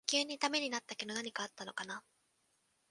急にダメになったけど何かあったのかな